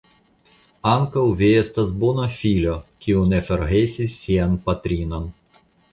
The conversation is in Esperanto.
Ankaŭ vi estas bona filo, kiu ne forgesis sian patrinon.